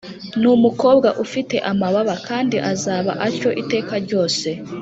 ni umukobwa ufite amababa kandi azaba atyo iteka ryose.